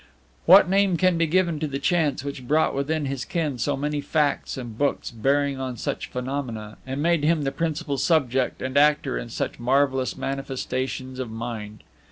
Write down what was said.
What name can be given to the chance which brought within his ken so many facts and books bearing on such phenomena, and made him the principal subject and actor in such marvelous manifestations of mind?